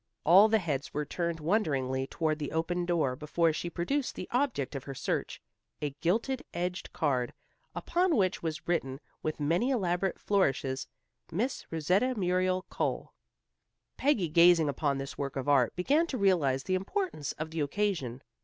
All the heads were turned wonderingly toward the open door before she produced the object of her search, a gilt edged card, upon which was written with many elaborate flourishes, "Miss Rosetta Muriel Cole." Peggy gazing upon this work of art, began to realize the importance of the occasion.